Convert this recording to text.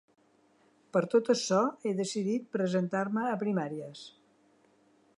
Per tot açò he decidit presentar-me a primàries.